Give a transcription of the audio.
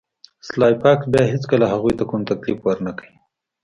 سلای فاکس بیا هیڅکله هغوی ته کوم تکلیف ورنکړ